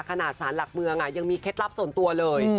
ขนาดสารหลักเมืองยังมีเคล็ดลับส่วนตัวเลย